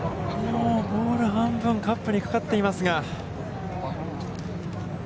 もうボール半分カップにかかっていますが。